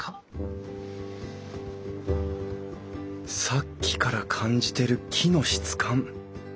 さっきから感じてる木の質感